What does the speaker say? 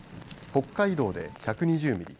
北海道で１２０ミリ